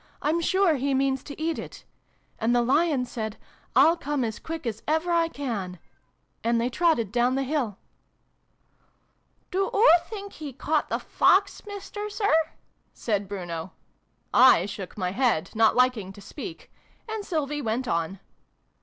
I'm sure he means to eat it !' And the Lion said ' I'll come as quick as ever I can!' And they trotted down the hill." " Do oo think he caught the Fox, Mister Sir ?" said Bruno. I shook my head, not liking to speak : and Sylvie went on.